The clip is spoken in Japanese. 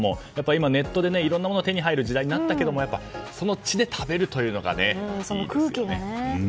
今、ネットでいろいろなものが手に入る時代になったけどもその地で食べるというのがいいですよね。